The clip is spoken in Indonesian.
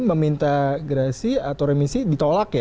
meminta remisi ditolak